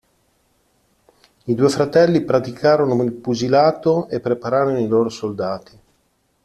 I due fratelli praticarono il pugilato e prepararono i loro soldati.